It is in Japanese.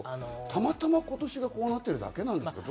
たまたま今年がこうなってるだけなんですか？